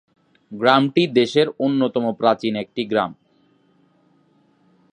গ্রামটি দেশের অন্যতম প্রাচীন একটি গ্রাম।